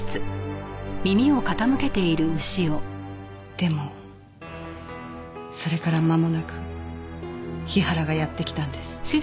でもそれから間もなく日原がやって来たんです。